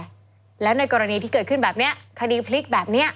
แต่แล้วในกรณีที่เกิดขึ้นแบบเนี่ยคดีผลิกแบบเนี่ย